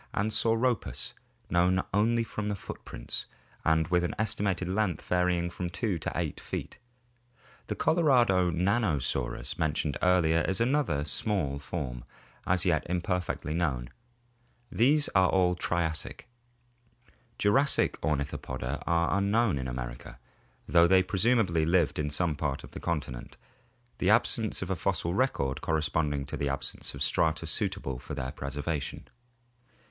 101) and Sauropus, known only from the footprints and i with an estimated length varying from 2 to 8 feet. The Colorado Nanosaurus mentioned above is another small form, as yet im 518 BEAKED DINOSAURS AND ORIGIN OF BIRDS 519 perfectly known. These are all Triassic. Jurassic Ornithopoda are unknown in America, though they presumably lived in some part of the continent, the absence of a fossil record corresponding to the absence of strata suitable for their preservation.